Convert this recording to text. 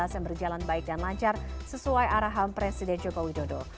yang berjalan baik dan lancar sesuai arahan presiden joko widodo